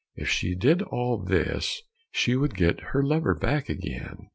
If she did all this she would get her lover back again.